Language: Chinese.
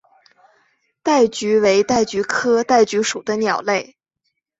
戴菊为戴菊科戴菊属的鸟类。